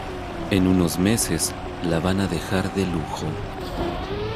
En unos meses la van a dejar de lujo.